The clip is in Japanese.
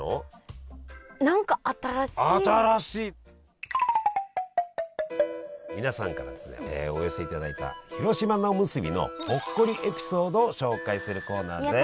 何か皆さんからですねお寄せいただいた広島菜おむすびのほっこりエピソードを紹介するコーナーです。